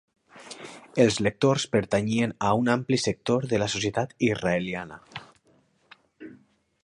Els lectors pertanyien a un ampli sector de la societat israeliana.